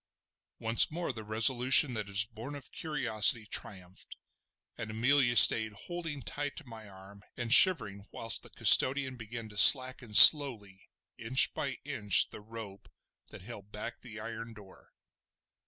Once more the resolution that is born of curiosity triumphed, and Amelia stayed holding tight to my arm and shivering whilst the custodian began to slacken slowly inch by inch the rope that held back the iron door.